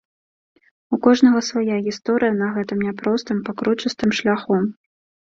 У кожнага свая гісторыя на гэтым няпростым, пакручастым шляху.